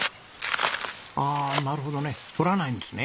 ああなるほどね掘らないんですね。